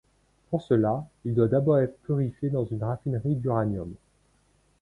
Pour cela, il doit d'abord être purifié dans une raffinerie d'uranium.